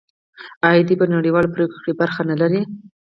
آیا دوی په نړیوالو پریکړو کې برخه نلري؟